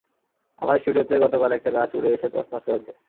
আমার স্টুডিওতে গতকাল একটা গাছ উড়ে এসে তছনছ করেছে!